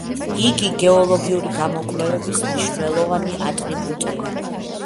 იგი გეოლოგიური გამოკვლევების მნიშვნელოვანი ატრიბუტია.